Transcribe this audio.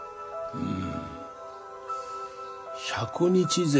うん？